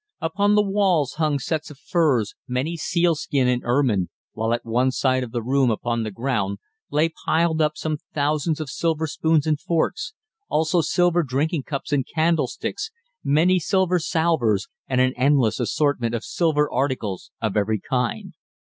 Upon the walls hung sets of furs, many seal skin and ermine, while at one side of the room, upon the ground, lay piled up some thousands of silver spoons and forks, also silver drinking cups and candlesticks, many silver salvers, and an endless assortment of silver articles of every kind.